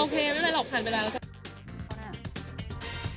โอเคไม่เป็นไรหลอกขันไปแล้ว